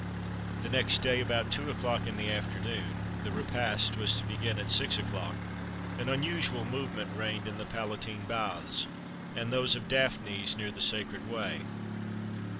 The next day, about two o'clock in the afternoon (the repast was to begin at six o'clock), an unusual movement reigned in the Palatine baths, and those of Daphnis, near the Sacred Way.